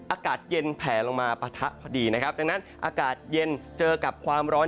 อากาศเย็นแผลลงมาปะทะพอดีนะครับดังนั้นอากาศเย็นเจอกับความร้อน